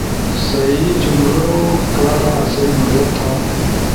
صحیح جملؤ کارا آسئی مدد تھا!